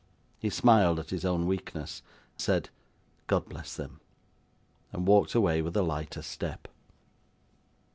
He smiled at his own weakness; said 'God bless them!' and walked away with a lighter step.